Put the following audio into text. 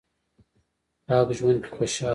پاک ژوند کې خوشاله یم